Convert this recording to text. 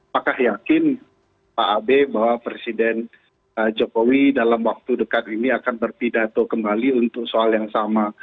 apakah yakin pak abe bahwa presiden jokowi dalam waktu dekat ini akan berpidato kembali untuk soal yang sama